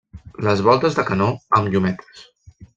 Les voltes de canó amb llunetes.